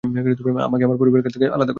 আমাকে আমার পরিবারের কাছ থেকে আলাদা করে।